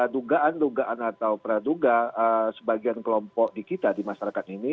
dugaan dugaan atau praduga sebagian kelompok di kita di masyarakat ini